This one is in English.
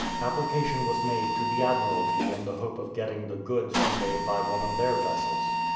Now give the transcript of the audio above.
Application was made to the Admiralty in the hope of getting the goods conveyed by one of their vessels.